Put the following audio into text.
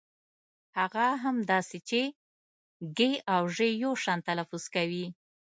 هغه هم داسې چې ږ او ژ يو شان تلفظ کوي.